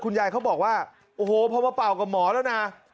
เขาบอกว่าโอ้โหพอมาเป่ากับหมอแล้วนะ